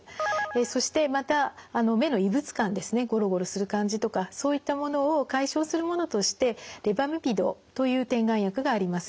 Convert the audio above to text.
そしてまた目の異物感ですねゴロゴロする感じとかそういったものを解消するものとしてレバミピドという点眼薬があります。